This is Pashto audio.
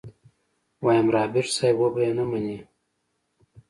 ويم رابرټ صيب وبه يې نه منې.